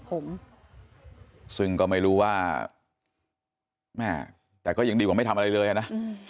ผมซึ่งก็ไม่รู้ว่าแม่แต่ก็ยังดีกว่าไม่ทำอะไรเลยอ่ะนะ